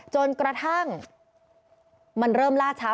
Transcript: จนกระทั่งมันเริ่มล่าช้า